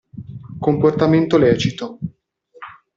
Comportamento lecito.